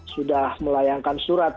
sudah melayangkan surat